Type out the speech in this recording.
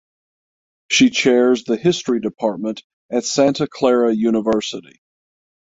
She chairs the history department at Santa Clara University.